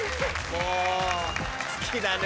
もう好きだね